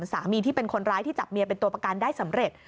สามีที่เป็นคนร้ายที่จับเมียเป็นตัวประกันได้สำเร็จ